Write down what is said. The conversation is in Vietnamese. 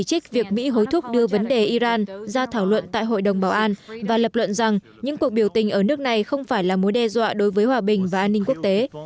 chỉ trích việc mỹ hối thúc đưa vấn đề iran ra thảo luận tại hội đồng bảo an và lập luận rằng những cuộc biểu tình ở nước này không phải là mối đe dọa đối với hòa bình và an ninh quốc tế